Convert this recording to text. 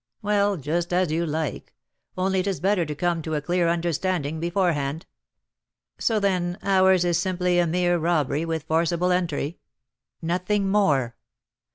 "Well, just as you like; only it is better to come to a clear understanding beforehand. So, then, ours is simply a mere robbery with forcible entry " "Nothing more."